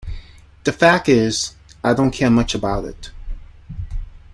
The fact is, I don't care much about it.